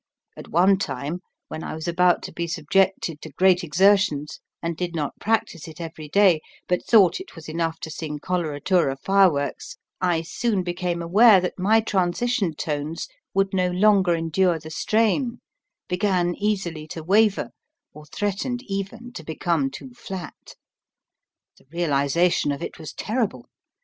At one time, when I was about to be subjected to great exertions, and did not practise it every day, but thought it was enough to sing coloratura fireworks, I soon became aware that my transition tones would no longer endure the strain, began easily to waver, or threatened even to be come too flat. The realization of it was terri ble